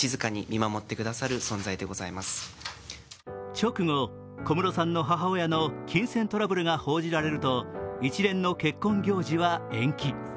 直後、小室さんの母親の金銭トラブルが報じられると一連の結婚行事は延期。